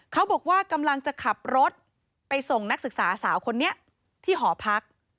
เขาบอกว่ากำลังจะขับรถไปส่งนักศึกษาสาวคนนี้ที่หอพัก